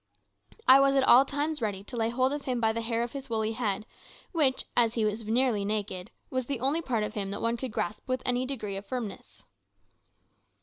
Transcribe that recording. I was at all times ready to lay hold of him by the hair of his woolly head, which, as he was nearly naked, was the only part of him that one could grasp with any degree of firmness.